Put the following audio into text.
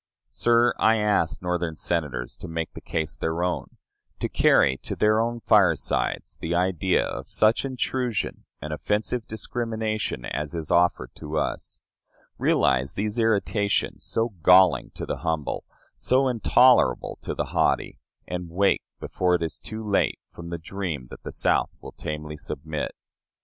Sir, I ask Northern Senators to make the case their own to carry to their own firesides the idea of such intrusion and offensive discrimination as is offered to us realize these irritations, so galling to the humble, so intolerable to the haughty, and wake, before it is too late, from the dream that the South will tamely submit.